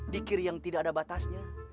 zikir yang tidak ada batasnya